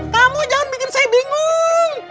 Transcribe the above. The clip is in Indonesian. kamu jangan bikin saya bingung